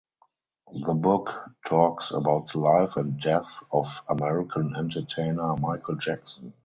The book talks about the life and death of American entertainer Michael Jackson.